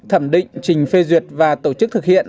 thẩm định trình phê duyệt và tổ chức thực hiện